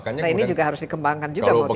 nah ini juga harus dikembangkan juga kalau tidak mau